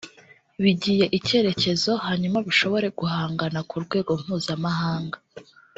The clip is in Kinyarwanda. bigiye icyerekezo hanyuma bishobore guhangana ku rwego mpuzamahanga”